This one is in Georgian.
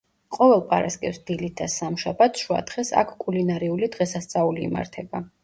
ყოველ პარასკევს დილით და სამშაბათს შუადღეს აქ კულინარიული დღესასწაული იმართება.